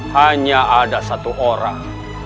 hanya ada satu orang